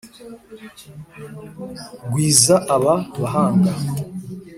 gwiza aba bahanga,